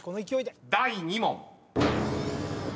第２問］